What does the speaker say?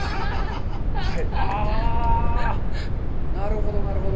ああ、なるほど、なるほど。